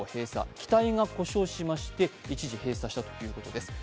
機体が故障しまして、一時閉鎖したということです。